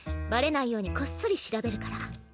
バレないようにこっそり調べるから。